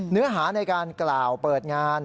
เนื้อหาในการกล่าวเปิดงาน